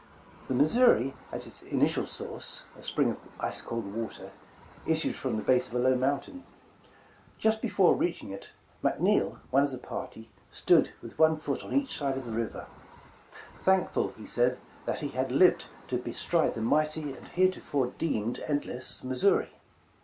'' The Missouri at its initial source — a spring of ice cold water, issued from the base of a low mountain. Just before reaching it, "McNeal, one of the part}^, stood with one foot on each side of the river, thankful, he said, 'that he had lived to bestride the mighty, and heretofore deemed, endless Missouri.'